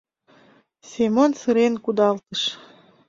— Семон сырен кудалтыш.